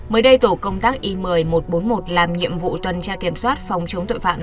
mới đây tổ công tác i một mươi một trăm bốn mươi một làm nhiệm vụ tuần tra kiểm soát phòng chống tội phạm